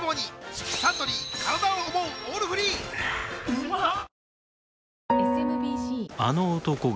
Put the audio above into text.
うまっ！